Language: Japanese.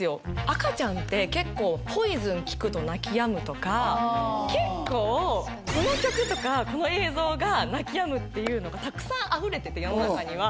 赤ちゃんって結構『ＰＯＩＳＯＮ』聴くと泣き止むとか結構その曲とかこの映像が泣き止むっていうのがたくさんあふれてて世の中には。